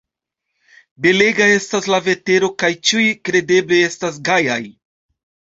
Belega estas la vetero kaj ĉiuj kredeble estas gajaj.